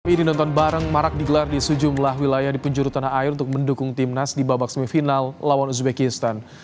ini nonton bareng marak digelar di sejumlah wilayah di penjuru tanah air untuk mendukung timnas di babak semifinal lawan uzbekistan